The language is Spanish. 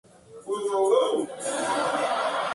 Entre griegos y romanos, existen numerosas referencias.